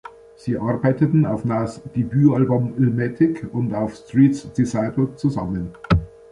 Sie arbeiteten auf Nas Debütalbum "Illmatic" und auf "Street’s Disciple" zusammen.